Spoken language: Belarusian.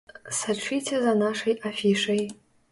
Сачыце за нашай афішай!